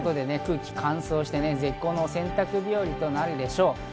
空気が乾燥して、絶好のお洗濯日和となるでしょう。